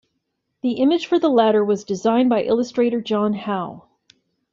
The image for the latter was designed by illustrator John Howe.